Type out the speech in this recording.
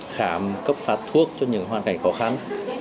khám cấp phát thuốc cho những hoàn cảnh khó khăn